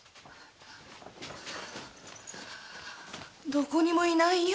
どこにも居ないよ。